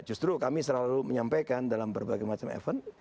justru kami selalu menyampaikan dalam berbagai macam event